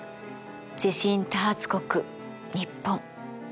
地震多発国日本。